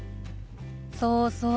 そうそう。